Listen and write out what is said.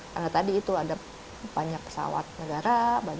karena tadi itu ada banyak pesawat negara